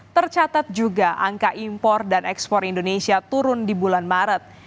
tercatat juga angka impor dan ekspor indonesia turun di bulan maret